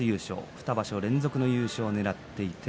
２場所連続優勝を狙っています。